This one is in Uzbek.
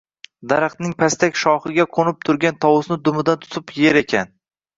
daraxtning pastak shoxiga qo’nib turgan tovusni dumidan tutib yer ekan.